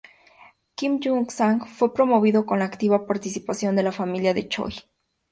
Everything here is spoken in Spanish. Kim Yun Sang fue promovido con la activa participación de la familia de Choi.